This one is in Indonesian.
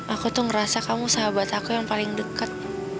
aku tuh ngerasa kamu sahabat aku yang paling dekat